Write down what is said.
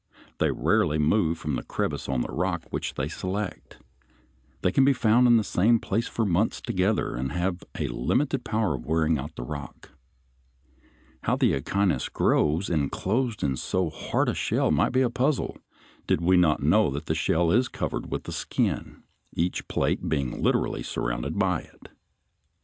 They rarely move from the crevice on the rock which they select. They can be found in the same place for months together, and have a limited power of wearing out the rock. How the Echinus grows inclosed in so hard a shell might be a puzzle did we not know that the shell is covered with a skin, each plate being literally surrounded by it.